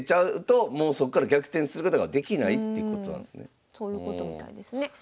だからそういうことみたいですね。